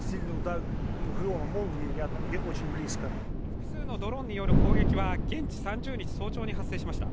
複数のドローンによる攻撃は現地３０日早朝に発生しました。